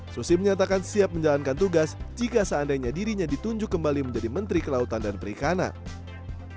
susi menyatakan siap menjalankan tugas jika seandainya dirinya ditunjuk kembali menjadi menteri kelautan dan perikanan